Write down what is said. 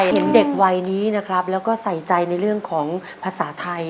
เห็นเด็กวัยนี้นะครับแล้วก็ใส่ใจในเรื่องของภาษาไทย